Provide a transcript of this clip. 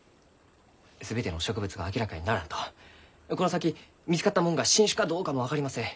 全ての植物が明らかにならんとこの先見つかったもんが新種かどうかも分かりません。